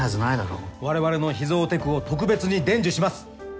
われわれの秘蔵テクを特別に伝授します。